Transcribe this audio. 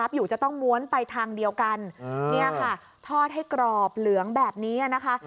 อยู่จะต้องม้วนไปทางเดียวกันเนี่ยค่ะทอดให้กรอบเหลืองแบบนี้นะคะ